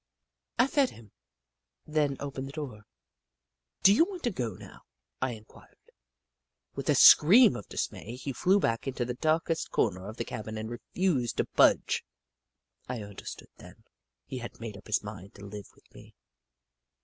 I fed him, then opened the door. " Do you want to go now ?" I inquired. With a scream of dismay, he flew back into the darkest cor ner of the cabin and refused to budge. I un derstood then. He had made up his mind to live with me.